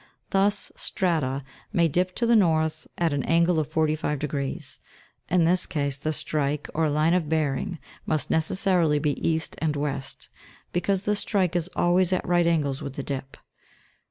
Thus, strata may dip to the north at an angle of forty five degrees ; in this case, the strike, or line of bearing, must necessarily be east and west, because the strike is always at right angles with the dip.